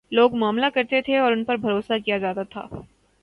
لوگ معاملہ کرتے تھے اور ان پر بھروسہ کیا جا تا تھا۔